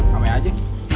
kamu yang aja